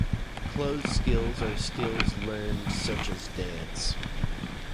Closed skills are skills learned such as dance.